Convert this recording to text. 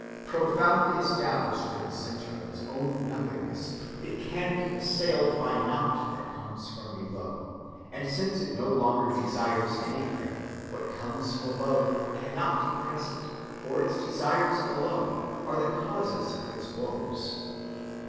Profoundly established in the centre of its own nothingness, it can be assailed by naught that comes from below; and since it no longer desires anything, what comes from above cannot depress it; for its desires alone are the causes of its woes."